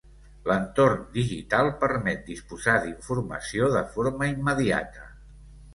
L'entorn digital permet disposar d'informació de forma immediata.